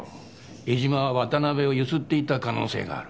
江島は渡辺を強請っていた可能性がある。